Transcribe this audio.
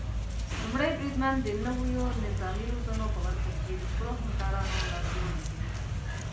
لومړی بریدمن د نويو نظامي روزنو په برخه کې د خپلو همکارانو لارښونه کوي.